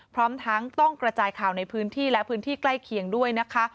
พร้อมทั้งต้องกระจายข่าวในพื้นที่และพื้นที่ใกล้เคียงด้วยนะคะ